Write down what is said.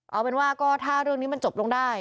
เอาเป็นว่าก็ถ้าเรื่องนี้มันจบลงได้